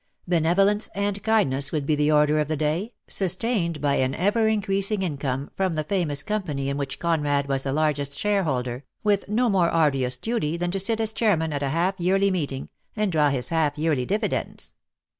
Benevolence and kindness would be the order of the day, sustained by an ever increasing income from the famous Company in which Conrad was the largest shareholder, with no more arduous duty than to sit as Chairman at a half yearly meet ing, and draw his half yearly dividends.